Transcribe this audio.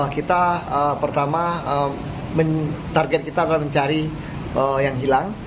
kita pertama target kita adalah mencari yang hilang